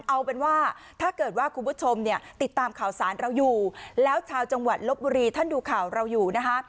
เอาเป็นว่าถ้าเกิดว่าคุณผู้ชมเนี่ยติดตามข่าวสารเราอยู่แล้วชาวจังหวัดลบบุรีท่านดูข่าวเราอยู่นะคะ